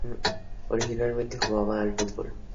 Originalmente jugaba al fútbol.